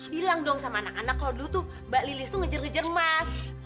bilang dong sama anak anak kalau dulu tuh mbak lilis tuh ngejar ngejar mas